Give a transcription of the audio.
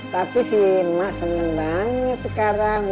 tapi sih mas senang banget sekarang